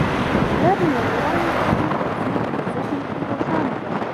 دا د نړیوالې پولې په څیر په ذهن کې روښانه ده